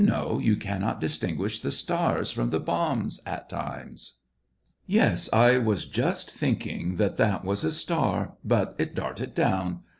65 know, you cannot distinguish the stars from the bombs at times." " Yes, I was just thinking that that was a star; but it darted down